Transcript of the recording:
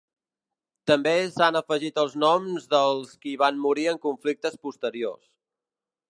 També s'han afegit els noms dels qui van morir en conflictes posteriors.